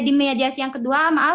di mediasi yang kedua